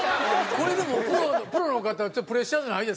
これでもプロの方はちょっとプレッシャーじゃないですか？